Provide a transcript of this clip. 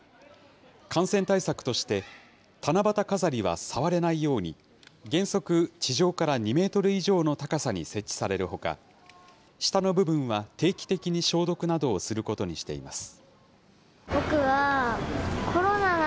感染対策として、七夕飾りは触れないように、原則地上から２メートル以上の高さに設置されるほか、下の部分は、定期的に消毒などをすることにしています。